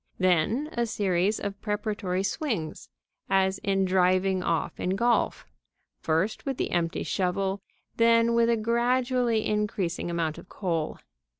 Then a series of preparatory swings, as in driving off in golf, first with the empty shovel, then with a gradually increasing amount of coal.